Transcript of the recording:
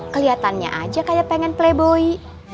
keliatannya aja kayak pengen playboy